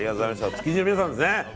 築地の皆さんですね。